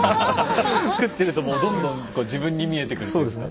作ってるともうどんどん自分に見えてくるっていうか。